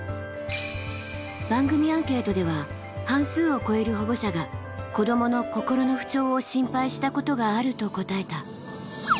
番組アンケートでは半数を超える保護者が子どもの心の不調を心配したことがあると答えた。